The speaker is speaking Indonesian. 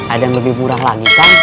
ada yang lebih murah lagi kan